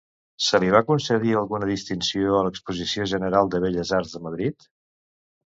Se li va concedir alguna distinció a l'Exposició General de Belles Arts de Madrid?